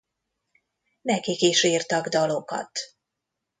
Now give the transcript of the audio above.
Nekik is írtak dalokat.